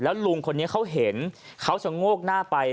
ลุงคนนี้เขาเห็นเขาชะโงกหน้าไป